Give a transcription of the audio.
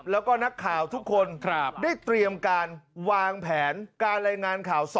แล้วก็นักข่าวทุกคนได้เตรียมการวางแผนการรายงานข่าว